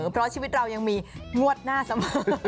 เพราะชีวิตเรายังมีงวดหน้าเสมอ